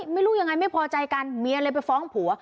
ไม่รู้ยังไงไม่พอใจกันเมียเลยไปฟ้องผัว